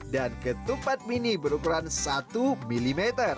dan ketupat mini berukuran satu mm